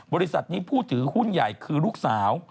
บริษัทนี้ผู้ถือหุ้นใหญ่คือลูกสาว